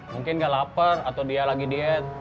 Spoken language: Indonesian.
mungkin gak lapar atau dia lagi diet